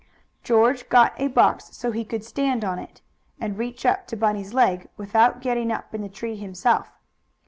George got a box, so he could stand on it and reach up to Bunny's leg without getting up in the tree himself.